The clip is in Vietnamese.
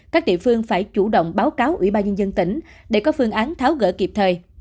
các địa phương phải chủ động báo cáo ủy ban nhân dân tỉnh để có phương án tháo gỡ kịp thời